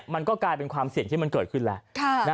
มันก็กลายเป็นความเสี่ยงที่มันเกิดขึ้นแล้ว